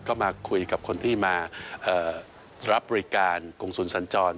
ก็มาคุยกับคนที่มารับบริการกงศูนย์สัญจร